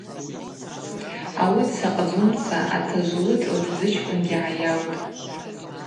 Ауи дсакъдзумца атажв-уыд Лтдзычкӏвынгьи гӏайаутӏ.